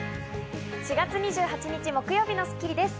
４月２８日、木曜日の『スッキリ』です。